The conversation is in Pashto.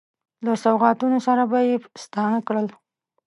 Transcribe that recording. له سوغاتونو سره به یې ستانه کړل.